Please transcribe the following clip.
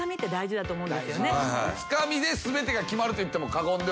つかみで全てが決まるといっても過言ではない。